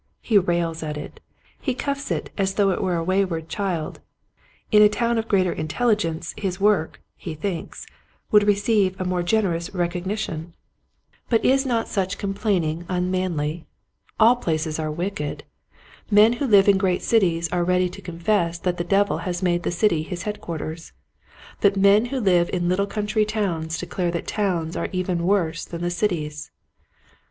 He rails at it. He cuffs it as though it were a wayward child. In a town of greater intelligence his work, he thinks, would receive a more generous recognition ! Clerical Hamlets. 69 But is not such complaining unmanly ? All places are wicked. Men who live in great cities are ready to confess that the devil has made the city his headquarters ; but men who live in little country towns declare that towns are even worse than the cities.